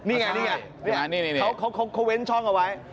นี่ไงนี่ไงเขาเว้นช่องเอาไว้